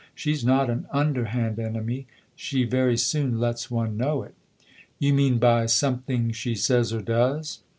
She's not an underhand enemy she very soon lets one know it." " You mean by something she says or does